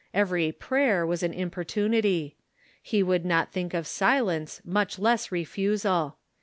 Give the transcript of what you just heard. Every prayer was an importunity. He would not think of silence, much less refusal.